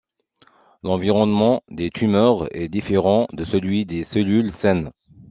L’environnement des tumeurs est différent de celui des cellules saines.